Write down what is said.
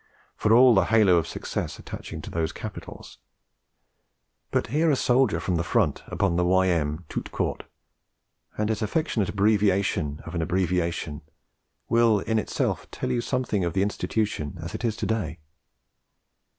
for all the halo of success attaching to those capitals; but hear a soldier from the front upon the 'Y.M.' tout court, and his affectionate abbreviation of an abbreviation will in itself tell you something of the institution as it is to day.